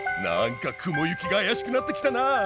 なんか雲行きが怪しくなってきたな。